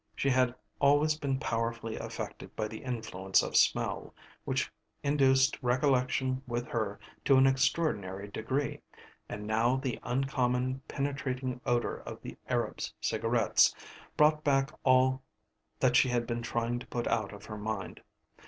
She had always been powerfully affected by the influence of smell, which induced recollection with her to an extraordinary degree, and now the uncommon penetrating odour of the Arab's cigarettes brought back all that she had been trying to put out of her mind.